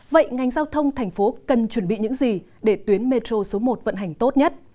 vậy ngành giao thông thành phố cần chuẩn bị những gì để tuyến metro số một vận hành tốt nhất